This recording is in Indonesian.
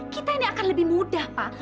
kita ini akan lebih mudah pak